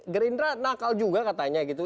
gerindra nakal juga katanya gitu